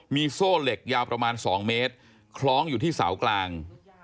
มีโซ่เหล็กยาวประมาณ๒เมตรคล้องอยู่ที่เสากลาง